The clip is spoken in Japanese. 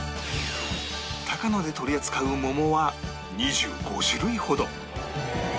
タカノで取り扱う桃は２５種類ほど